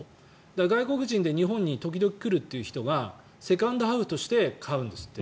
外国人で日本に時々来るという人がセカンドハウスとして買うんですって。